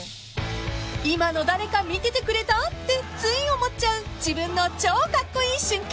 ［「今の誰か見ててくれた？」ってつい思っちゃう自分の超カッコイイ瞬間］